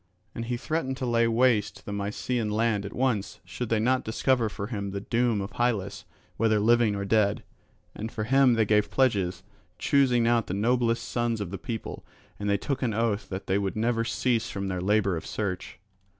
And he threatened to lay waste the Mysian land at once, should they not discover for him the doom of Hylas, whether living or dead. And for him they gave pledges choosing out the noblest sons of the people and took an oath that they would never cease from their labour of search.